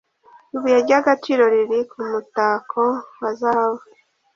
ibuye ry’agaciro riri ku mutako wa zahabu.